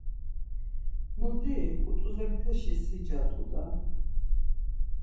Mudiri, Ǩut̆uzepeşi sica t̆u daa…